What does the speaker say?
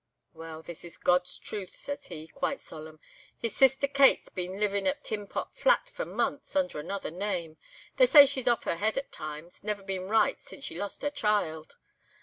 "'Well—this is God's truth,' says he, quite solemn. 'His sister Kate's been livin' at Tin Pot Flat for months, under another name. They say she's off her head at times, never been right since she lost her child.